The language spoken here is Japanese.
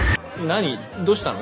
どうしたの？